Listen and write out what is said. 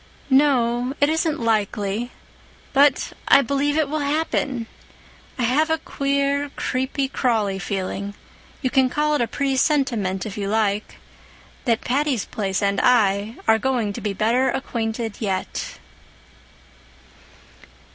"No, it isn't likely. But I believe it will happen. I have a queer, creepy, crawly feeling—you can call it a presentiment, if you like—that 'Patty's Place' and I are going to be better acquainted yet."